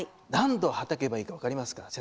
何度はたけばいいか分かりますか？